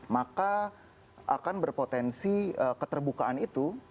maka akan berpotensi keterbukaan itu